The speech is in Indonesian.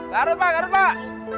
garut pak garut pak